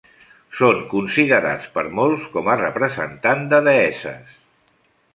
Són considerats per molts com a representant de deesses.